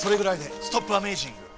ストップアメージング。